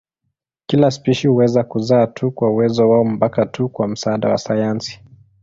Kila spishi huweza kuzaa tu kwa uwezo wao mpaka tu kwa msaada wa sayansi.